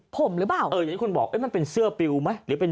ผมหรือเปล่าเอออย่างที่คุณบอกเอ๊ะมันเป็นเสื้อปิวไหมหรือเป็น